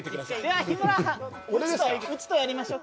では日村はんうちとやりましょう？